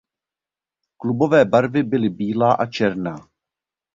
Klubové barvy byly bílá a černá.